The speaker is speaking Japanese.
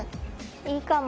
いいかも。